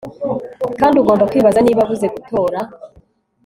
kandi ugomba kwibaza niba abuze gutora